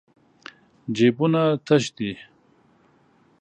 جېبونه تش دي.